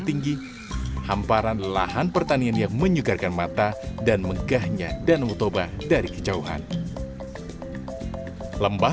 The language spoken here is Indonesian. tinggi hamparan lahan pertanian yang menyugarkan mata dan megahnya dan utoba dari kejauhan lembah